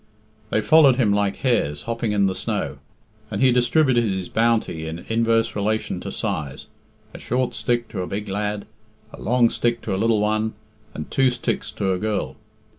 They followed him like hares hopping in the snow; and he distributed his bounty in inverse relation to size, a short stick to a big lad, a long stick to a little one, and two sticks to a girl.